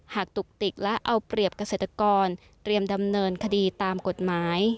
ตุกติกและเอาเปรียบเกษตรกรเตรียมดำเนินคดีตามกฎหมาย